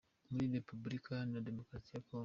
Muri Repubulika Iharanira Demokarasi ya Congo.